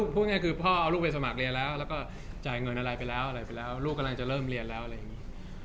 พูดง่ายคือพ่อเอาลูกไปสมัครเรียนแล้วแล้วก็จ่ายเงินอะไรไปแล้วอะไรไปแล้วลูกกำลังจะเริ่มเรียนแล้วอะไรอย่างนี้